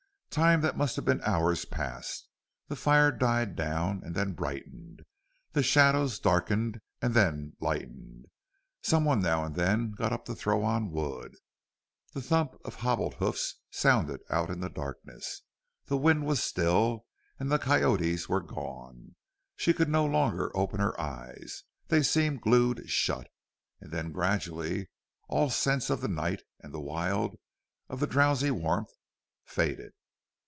Time that must have been hours passed. The fire died down and then brightened; the shadows darkened and then lightened. Someone now and then got up to throw on wood. The thump of hobbled hoofs sounded out in the darkness. The wind was still and the coyotes were gone. She could no longer open her eyes. They seemed glued shut. And then gradually all sense of the night and the wild, of the drowsy warmth, faded.